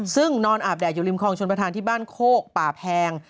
ซึ่งนอนอาบแดดอยู่ริมคลองชนประธานที่บ้านโคกป่าแพง